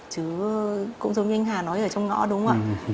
chứ cũng giống như anh hà nói ở trong ngõ đúng không ạ